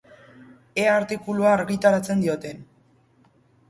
Ea artikulua argitaratzen dioten!